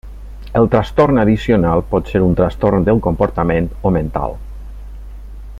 El trastorn addicional pot ser un trastorn del comportament o mental.